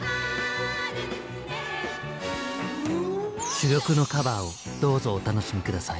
珠玉のカバーをどうぞお楽しみ下さい。